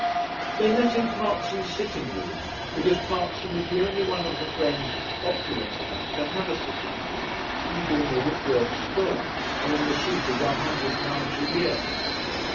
They met in Parkson's sitting room, because Parkson was the only one of the Friends opulent enough to have a sitting room, he being a Whitworth Scholar and in receipt of one hundred pounds a year.